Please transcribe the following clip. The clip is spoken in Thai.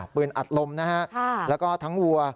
ปืนอัดลมนะครับแล้วก็ทั้งวัว